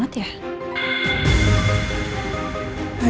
aduh ini kayaknya dia yang menjijikkan